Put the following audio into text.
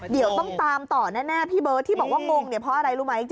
เดี๋ยวต้องตามต่อแน่พี่เบิร์ตที่บอกว่างงเนี่ยเพราะอะไรรู้ไหม